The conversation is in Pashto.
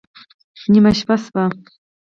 نېمه شپه شوه